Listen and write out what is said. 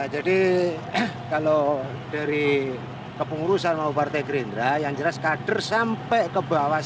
jadi kalau dari kepengurusan mau partai gerindera yang jelas kader sampai ke bawah